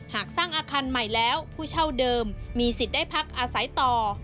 หากสร้างอาคารใหม่แล้วผู้เช่าเดิมมีสิทธิ์ได้พักอาศัยต่อ